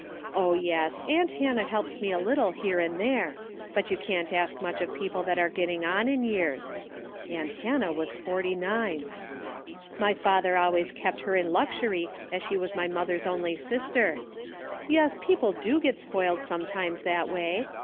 Oh yes, aunt Hannah helps me a little here and there, but you can't ask much of people that are getting on in years. (Aunt Hannah was forty nine.) My father always kept her in luxury as she was my mother's only sister. Yes, people do get spoiled sometimes that way.